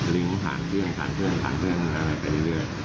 ลิ้งผ่านเพื่อนผ่านเพื่อนผ่านเพื่อนอะไรไปเรื่อย